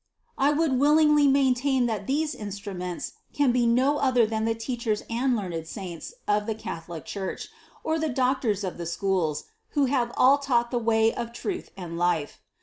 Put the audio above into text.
3. I would willingly maintain that these instruments can be no other than the teachers and learned saints of the Catholic Church, or the doctors of the schools, who have all taught the way 'of truth and life.